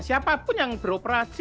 siapapun yang beroperasi